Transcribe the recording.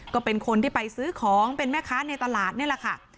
ก็เป็นคนที่ไปซื้อของเป็นแม่ค้าในตลาดนี่แหละค่ะ